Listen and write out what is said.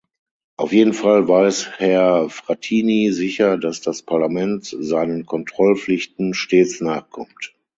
Auf jeden Fall weiß Herr Frattini sicher, dass das Parlament seinen Kontrollpflichten stets nachkommt.